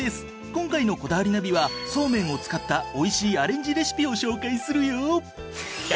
今回の『こだわりナビ』はそうめんを使ったおいしいアレンジレシピを紹介するよ。